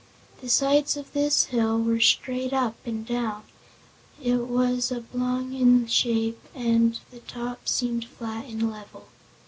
The sides of this hill were straight up and down; it was oblong in shape and the top seemed flat and level.